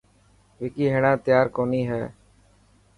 وڪي هيڻان تيار ڪوني هي.